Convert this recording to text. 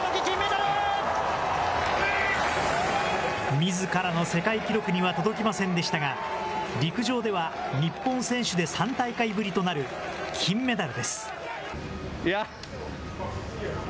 みずからの世界記録には届きませんでしたが、陸上では日本選手で３大会ぶりとなる金メダルです。